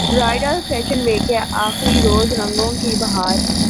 bridal fashion week کے اخری روز رنگوں کی بہار